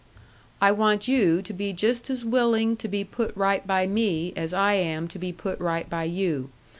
"I want you to be just as willing to be put right by me as I am to be put right by you.